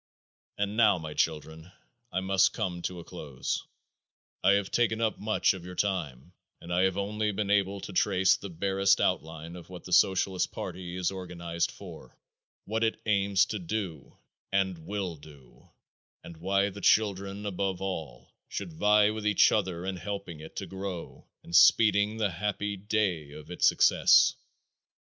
And now, my children, I must come to a close. I have taken up much of your time, but I have only been able to trace in barest outline what the Socialist party is organized for, what it aims to do, and will do, and why the children, above all, should vie with each other in helping it to grow and speeding the happy day of its success.